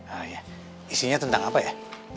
ah ya isinya tentang apa ya